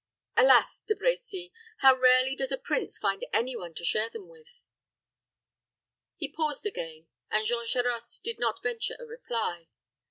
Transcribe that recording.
Alas! De Brecy, how rarely does a prince find any one to share them with!" He paused again, and Jean Charost did not venture a reply.